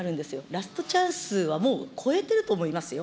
ラストチャンスはもうこえてると思いますよ。